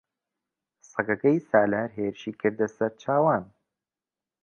سەگەکەی سالار هێرشی کردە سەر چاوان.